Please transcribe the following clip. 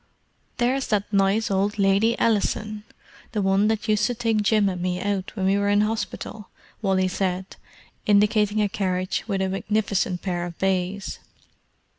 "There's that nice old Lady Ellison—the one that used to take Jim and me out when we were in hospital," Wally said, indicating a carriage with a magnificent pair of bays.